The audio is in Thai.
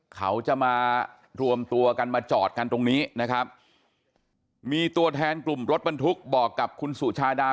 เขาจะมารวมตัวกันมาจอดกันตรงนี้นะครับมีตัวแทนกลุ่มรถบรรทุกบอกกับคุณสุชาดา